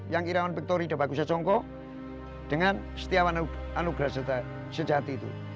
yang irawan victoria bagusa congko dengan setiawan anugrah sejati itu